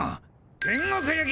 天国行き！